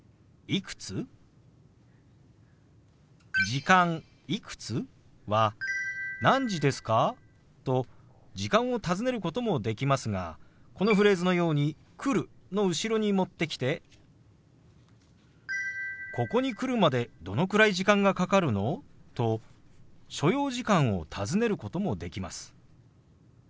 「時間いくつ？」は「何時ですか？」と時間を尋ねることもできますがこのフレーズのように「来る」の後ろに持ってきて「ここに来るまでどのくらい時間がかかるの？」と所要時間を尋ねることもできます。